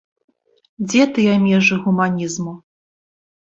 Дзе тыя межы гуманізму?